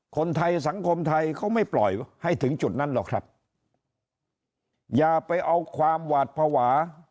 คนไทยสังคมไทยเขาไม่ปล่อยให้ถึงจุดนั้นหรอกครับอย่าไปเอาความหวาดภาวะ